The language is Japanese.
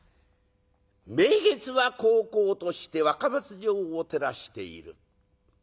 名月はこうこうとして若松城を照らしている。